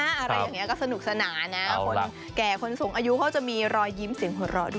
อะไรอย่างนี้ก็สนุกสนานนะคนแก่คนสูงอายุเขาจะมีรอยยิ้มเสียงหัวเราะด้วย